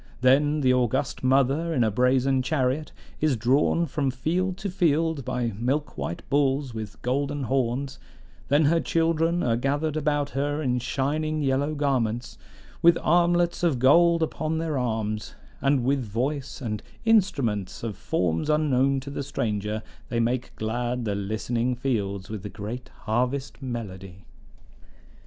Then the august Mother, in a brazen chariot, is drawn from field to field by milk white bulls with golden horns; then her children are gathered about her in shining yellow garments, with armlets of gold upon their arms; and with voice and instruments of forms unknown to the stranger, they make glad the listening fields with the great harvest melody.